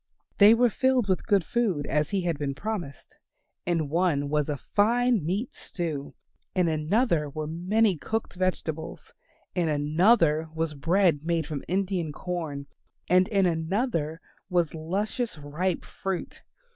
They were filled with good food as he had been promised. In one was a fine meat stew; in another were many cooked vegetables; in another was bread made from Indian corn; and in another was luscious ripe fruit.